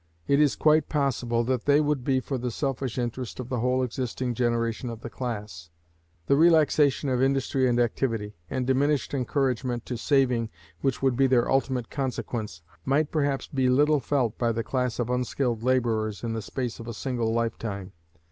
It is quite possible that they would be for the selfish interest of the whole existing generation of the class. The relaxation of industry and activity, and diminished encouragement to saving which would be their ultimate consequence, might perhaps be little felt by the class of unskilled laborers in the space of a single lifetime.